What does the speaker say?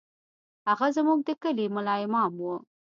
هغه زموږ د کلي ملا امام و.